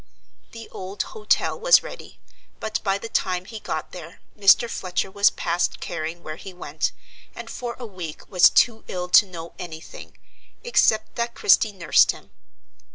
The old hotel was ready; but by the time he got there Mr. Fletcher was past caring where he went, and for a week was too ill to know any thing, except that Christie nursed him.